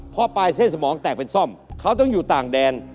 เพราะปลายเส้นสมองแตกเป็นซ่อมเขาต้องอยู่ต่างแดน